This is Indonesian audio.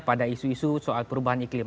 pada isu isu soal perubahan iklim